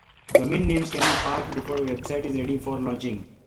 Domain names can be parked before a web site is ready for launching.